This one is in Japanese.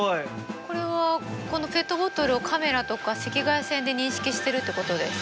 これはこのペットボトルをカメラとか赤外線で認識してるってことですか？